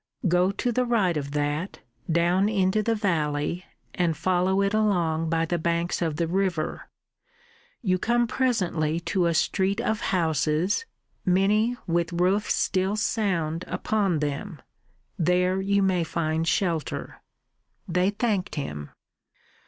Go to the right of that, down into the valley and follow it along by the banks of the river. You come presently to a street of houses, many with the roofs still sound upon them. There you may find shelter." They thanked him.